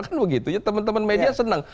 kan begitu ya teman teman media senang